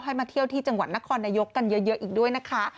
มาเที่ยวที่จังหวัดนครนายกกันเยอะอีกด้วยนะคะ